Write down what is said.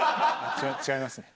違いますね。